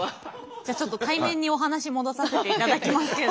じゃあちょっと対面にお話戻させていただきますけれども。